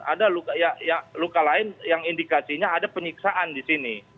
ada luka lain yang indikasinya ada penyiksaan disini